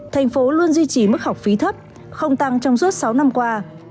thành phố luôn duy trì mức học phí thấp không tăng trong suốt sáu năm qua